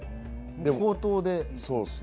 口頭で。